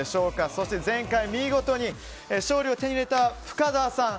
そして、前回見事に勝利を手に入れた深澤さん。